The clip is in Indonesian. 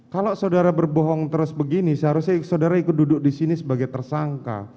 kalau saudara berbohong terus begini seharusnya saudara ikut duduk di sini sebagai tersangka